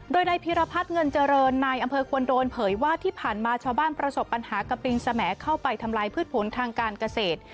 โดยนายพิรพัฒน์เงินเจริญนายอำเภอควรโดนเผยว่าที่ผ่านมาชาวบ้านประสบปัญหากับปริงสมเข้าไปทำลายพืชผลทางการเกษตร